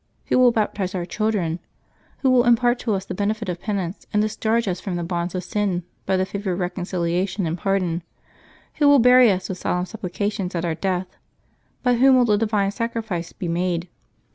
Who will baptize our children? Who will impart to us the benefit of penance, and discharge us from the bonds of sin by the favor of reconciliation and pardon ? Who will bury us with solemn supplications at our death? By whom will the Divine Sacrifice be made?